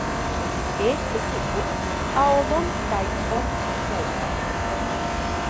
ერთი სიტყვით პაოლომ დაიწყო მწვრთნელობა.